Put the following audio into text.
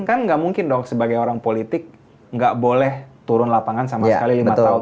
kan nggak mungkin dong sebagai orang politik nggak boleh turun lapangan sama sekali lima tahun